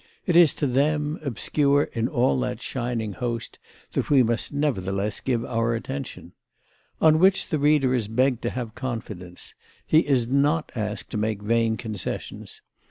It is to them, obscure in all that shining host, that we must nevertheless give our attention. On which the reader is begged to have confidence; he is not asked to make vain concessions.